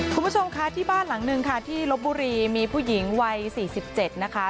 คุณผู้ชมค่ะที่บ้านหลังนึงค่ะที่รถบุรีมีผู้หญิงวัยสี่สิบเจ็ดนะคะ